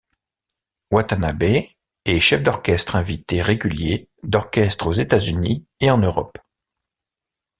Watanabe est chef d'orchestre invité régulier d'orchestres aux États-Unis et en Europe.